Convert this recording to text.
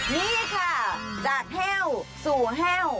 นี่ค่ะจากแห้วสู่แห้ว